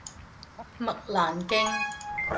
麥蘭徑